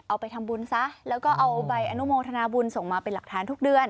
เอาไปทำบุญซะแล้วก็เอาใบอนุโมทนาบุญส่งมาเป็นหลักฐานทุกเดือน